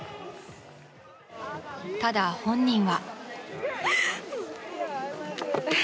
ただ、本人は。